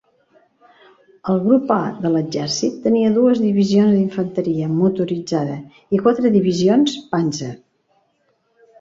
El grup A de l'exèrcit tenia dues divisions d'infanteria motoritzada i quatre divisions "panzer".